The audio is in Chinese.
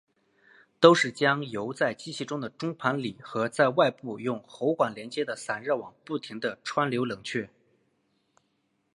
都是将油在机器的中盘里和在外部用喉管连接的散热网不停地穿流冷却。